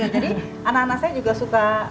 jadi anak anak saya juga suka